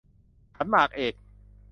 ขันหมากเอก